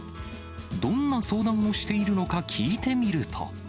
どんな相談をしているのか聞いてみると。